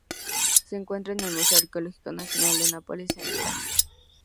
Se encuentra en el Museo Arqueológico Nacional de Nápoles, en Italia.